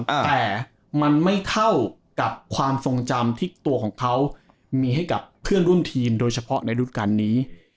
แต่มันไม่เท่ากับความทรงจำที่ตัวของเขามีให้กับเพื่อนรุ่นทีมโดยเฉพาะในรุ่นการนี้